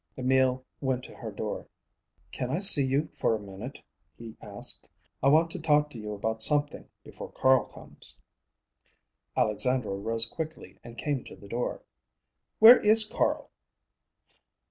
Emil went to her door. "Can I see you for a minute?" he asked. "I want to talk to you about something before Carl comes." Alexandra rose quickly and came to the door. "Where is Carl?"